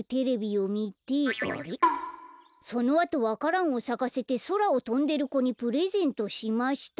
「そのあとわからんをさかせてそらをとんでる子にプレゼントしました」